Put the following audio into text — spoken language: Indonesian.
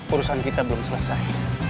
urusan kita belum selesai